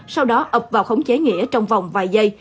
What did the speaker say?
sau đó ập vào khống chế nghĩa trong vòng vài giây